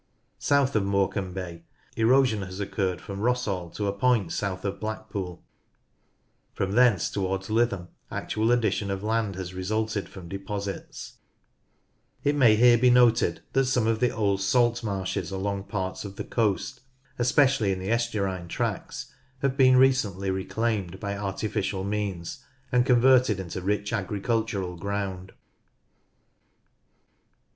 South of Morecambe Bay, erosion has occurred from Rossall to a point south of Blackpool : from thence towards Lytham actual addition of land has resulted from deposits. 48 NORTH LANCASHIRE It may here be noted that some of the old salt marshes along parts of the coast, especially in the estuarine tracts, have been recently reclaimed by artificial means, and con verted into rich agricultural ground.